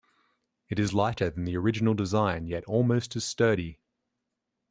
It is lighter than the original design yet almost as sturdy.